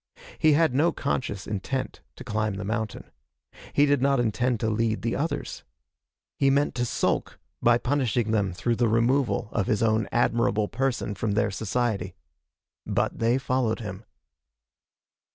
He had no conscious intent to climb the mountain. He did not intend to lead the others. He meant to sulk, by punishing them through the removal of his own admirable person from their society. But they followed him.